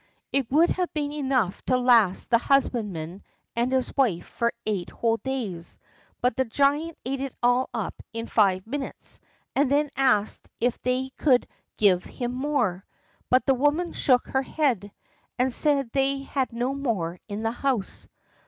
It would have been enough to last the husbandman and his wife for eight whole days, but the giant ate it all up in five minutes, and then asked if they could give him more. But the woman shook her head, and said they had no more in the house.